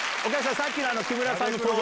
さっきの木村さんの登場